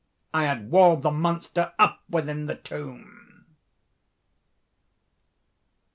I had walled the monster up within the tomb!